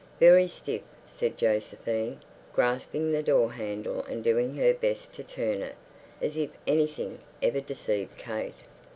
"Very stiff," said Josephine, grasping the doorhandle and doing her best to turn it. As if anything ever deceived Kate!